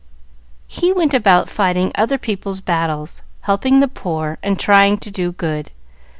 "He went about fighting other people's battles, helping the poor, and trying to do good.